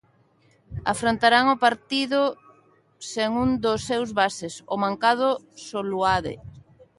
Afrontarán o partido sen un dos seus bases, o mancado Soluade.